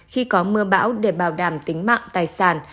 khi có mưa bão để bảo đảm tính mạng tài sản